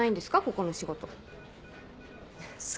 ここの仕事。